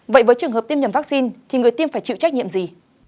vậy với trường hợp tiêm nhầm vaccine thì người tiêm phải chịu trách nhiệm gì